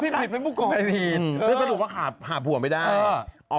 เพราะแม่งหักหัวไม่ได้จบ